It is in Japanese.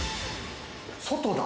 外だ。